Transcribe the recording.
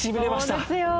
そうですよ！